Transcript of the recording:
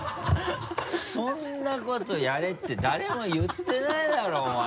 そんなことやれって誰も言ってないだろお前。